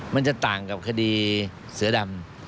มันจะต่างกับคดีเสือดำ